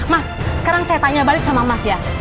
mas sekarang saya tanya balik sama mas ya